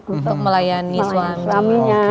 untuk melayani suaminya